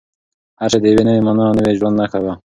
هر شی د یوې نوې مانا او نوي ژوند نښه وه.